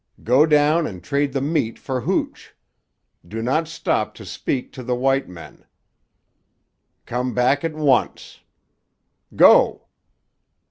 Go down and trade the meat for hooch. Do not stop to speak to the white men. Come, back at once. Go!"